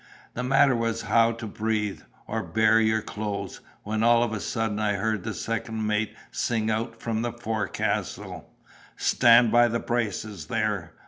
The matter was how to breathe, or bear your clothes—when all of a sudden I heard the second mate sing out from the forecastle—'Stand by the braces, there!